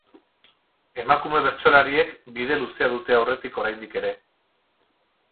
Emakume bertsolariek bide luzea dute aurretik oraindik ere.